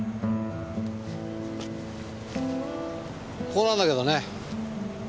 ここなんだけどね。